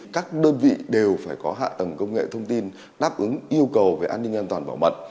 các đơn vị đều phải có hạ tầng công nghệ thông tin đáp ứng yêu cầu về an ninh an toàn bảo mật